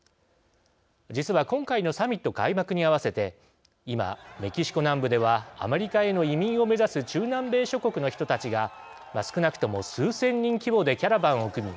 実は、今回のサミット開幕に合わせて今、メキシコ南部ではアメリカへの移民を目指す中南米諸国の人たちが少なくとも数千人規模でキャラバンを組み